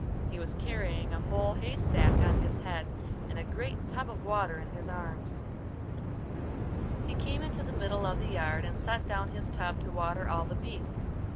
He was carrying a whole haystack on his head and a great tub of water in his arms. He came into the middle of the yard, and set down his tub to water all the beasts.